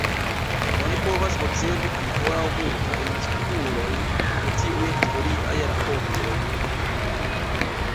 Oni povas observi ankoraŭ multajn spurojn de tiuj historiaj rakontoj.